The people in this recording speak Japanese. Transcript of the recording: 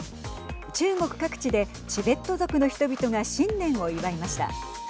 中国各地でチベット族の人々が新年を祝いました。